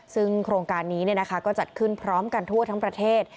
ซึ่งโครงการนี้ก็จัดขึ้นพร้อมกันทั่วทั้งประเทศ